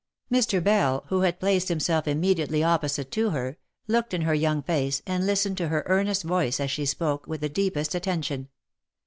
" Mr. Bell, who had placed himself immediately opposite to her, looked in her young face, and listened to her earnest voice as she spoke, with the deepest attention.